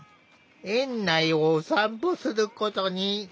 園内をお散歩することに。